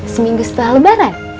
seminggu setelah lebaran